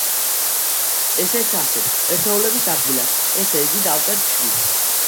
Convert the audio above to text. ესეც ასე. ერთეულების ადგილას, ესე იგი, დავწერთ შვიდს.